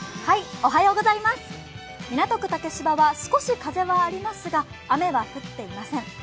港区竹芝は少し風はありますが、雨は降っていません。